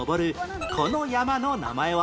この山の名前は？